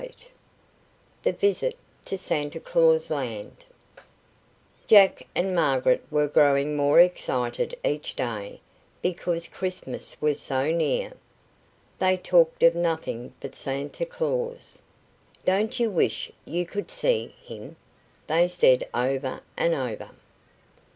_THE VISIT TO SANTA CLAUS LAND Jack and Margaret were growing more excited each day, because Christmas was so near. They talked of nothing but Santa Claus. "Don't you wish you could see him?" they said over and over.